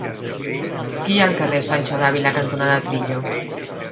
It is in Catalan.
Què hi ha al carrer Sancho de Ávila cantonada Trillo?